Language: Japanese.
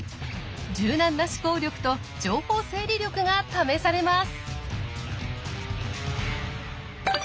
柔軟な思考力と情報整理力が試されます。